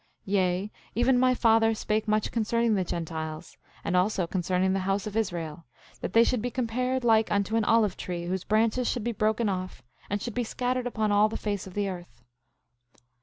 10:12 Yea, even my father spake much concerning the Gentiles, and also concerning the house of Israel, that they should be compared like unto an olive tree, whose branches should be broken off and should be scattered upon all the face of the earth.